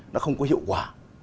nó không có hiệu quả